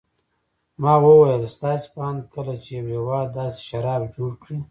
ما وویل: ستاسې په اند کله چې یو هېواد داسې شراب جوړ کړي.